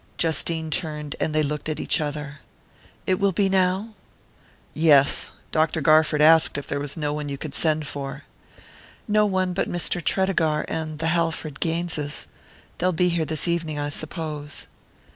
Justine turned and they looked at each other. "It will be now?" "Yes. Dr. Garford asked if there was no one you could send for." "No one but Mr. Tredegar and the Halford Gaineses. They'll be here this evening, I suppose."